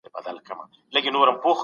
پوه سړی اوس خپله پوهه شريکوي.